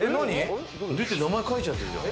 だって名前書いちゃってるじゃん。